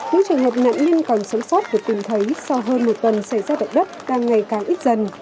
những trường hợp nạn nhân còn sống sót được tìm thấy sau hơn một tuần xảy ra động đất càng ngày càng ít dần